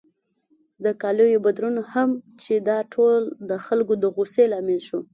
د کالیو بدلون هم چې دا ټول د خلکو د غوسې لامل شو.